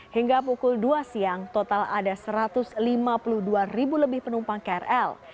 hingga pukul dua siang total ada satu ratus lima puluh dua ribu lebih penumpang krl